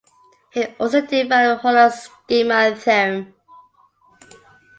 He also developed Holland's schema theorem.